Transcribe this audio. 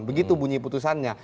begitu bunyi putusannya